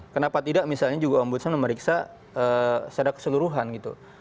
kenapa tidak misalnya juga ombudsman memeriksa secara keseluruhan gitu